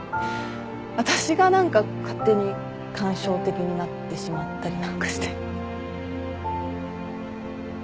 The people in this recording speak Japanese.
私が何か勝手に感傷的になってしまったりなんかして。